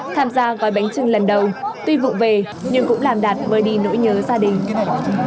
tham gia gói bánh trưng lần đầu tuy vụ về nhưng cũng làm đạt